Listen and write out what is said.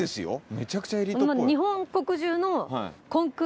めちゃくちゃエリートっぽい。